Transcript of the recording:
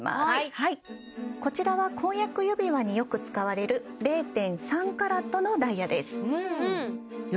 はいこちらは婚約指輪によく使われる０．３ｃｔのダイヤですいや